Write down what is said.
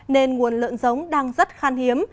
nên nguồn lợn giống đang rất khan hiếm